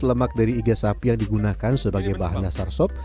lemak dari iga sapi yang digunakan sebagai bahan dasar sop